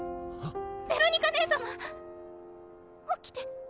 ベロニカ姉様起きて。